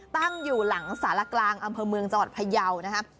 ตั้งอยู่หลังสารกลางอำเภอเมืองจังหวัดพยาวนะครับ